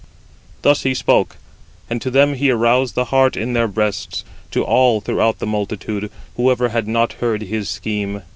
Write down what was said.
Thus he spoke; and to them he aroused the heart in their breasts, to all throughout the multitude, whoever had not heard his scheme.